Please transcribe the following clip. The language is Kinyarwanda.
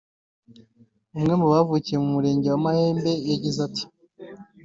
umwe mu bavukiye mu murenge wa Mahembe yagize ati